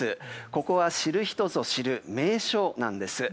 ここは知る人ぞ知る名所なんです。